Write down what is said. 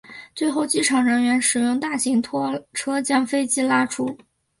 最后机场人员使用大型拖车将飞机拉出。